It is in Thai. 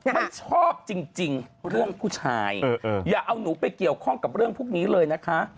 ไม่ชอบจริงเรื่องผู้ชายอย่าเอาหนูไปเกี่ยวข้องกับเรื่องพวกนี้เลยนะคะ